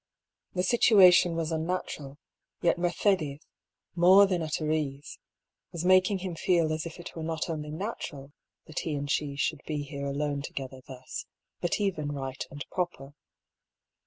The situation was unnatural, yet Mercedes, more than at her ease, was making him feel as if it were not only natural that he and she should be here alone together thus, but even right and proper.